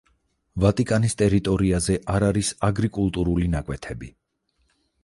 ვატიკანის ტერიტორიაზე არ არის აგრიკულტურული ნაკვეთები.